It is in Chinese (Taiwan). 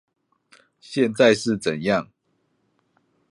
現在是怎樣